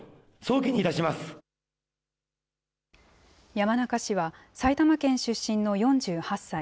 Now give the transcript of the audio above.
山中氏は、埼玉県出身の４８歳。